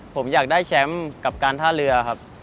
ผมอยากได้แชมป์กับการท่าเรือครับ